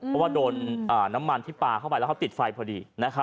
เพราะว่าโดนน้ำมันที่ปลาเข้าไปแล้วเขาติดไฟพอดี